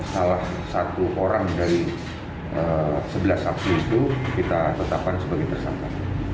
salah satu orang dari sebelas april itu kita tetapkan sebagai tersangka